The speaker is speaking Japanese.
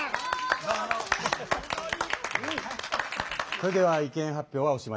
それでは意見発表はおしまいです。